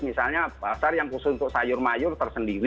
misalnya pasar yang khusus untuk sayur mayur tersendiri